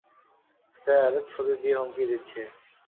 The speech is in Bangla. স্যার, ছুরি দিয়ে হুমকি দিচ্ছে।